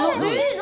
何？